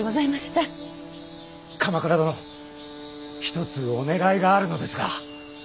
鎌倉殿一つお願いがあるのですが。